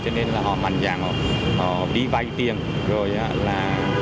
cho nên là họ mạnh dạng họ đi vay tiền rồi là